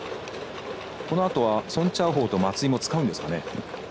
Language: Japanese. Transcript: このあとは宋家豪と松井も使うんですかね。